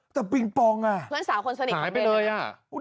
แต่ปิงปองน่ะหายไปเลยอ่ะเพื่อนสาวคนสนิท